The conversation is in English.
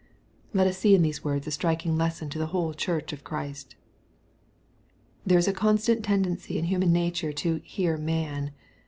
Let US see in these words a striking lesson to the whole Church of Christ. There is a constant tendency in human nature to " hear man."